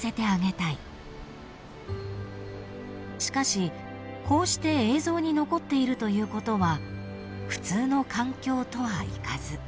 ［しかしこうして映像に残っているということは普通の環境とはいかず］